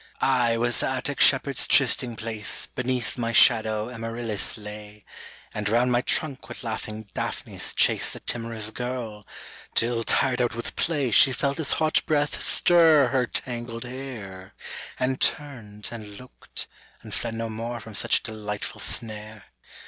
I was the Attic shepherd's trysting place, Beneath my shadow Amaryllis lay, And round my trunk would laughing Daphnis chase The timorous girl, till tired out with play She felt his hot breath stir her tangled hair, And turned, and looked, and fled no more from such delightful snare.